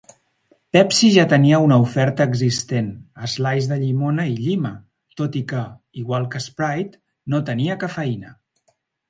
Pepsi ja tenia una oferta existent, Slice de llimona i llima, tot i que, igual que Sprite, no tenia cafeïna.